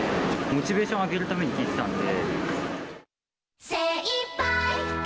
モチベーション上げるために聴いてたんで。